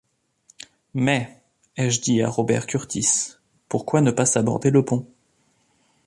Mais, ai-je dit à Robert Kurtis, pourquoi ne pas saborder le pont?